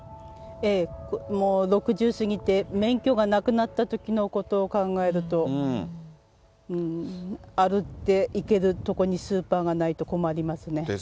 もう６０過ぎて、免許がなくなったときのことを考えると、歩いて行ける所にスーパーがないと困りますね。